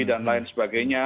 dan lain sebagainya